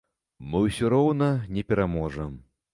Мы ўсё роўна не пераможам.